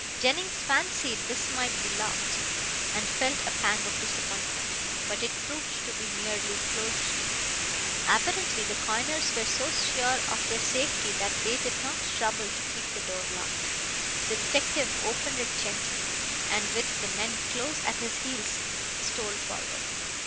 Jennings fancied this might be locked, and felt a pang of disappointment. But it proved to be merely closed to. Apparently the coiners were so sure of their safety that they did not trouble to keep the door locked. The detective opened it gently, and with the men close at his heels stole forward.